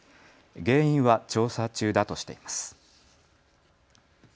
原因は調査中だとしています。